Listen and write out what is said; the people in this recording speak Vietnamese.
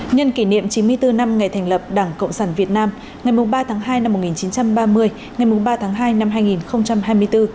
nhân kỷ niệm chín mươi bốn năm ngày thành lập đảng cộng sản việt nam ngày ba tháng hai năm một nghìn chín trăm ba mươi ngày ba tháng hai năm hai nghìn hai mươi bốn